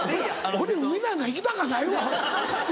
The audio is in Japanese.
俺海なんか行きたかないわ。